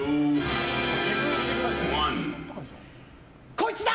こいつだ！